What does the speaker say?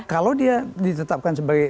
kalau dia ditetapkan sebagai